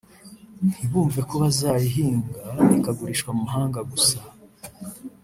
ntibumve ko bazayihinga ikagurishwa mu mahanga gusa